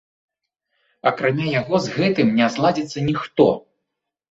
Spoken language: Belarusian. Акрамя яго з гэтым не зладзіцца ніхто.